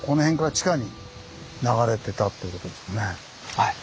はい。